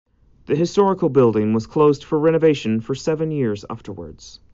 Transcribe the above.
The historical building was closed for renovation for seven years afterwards.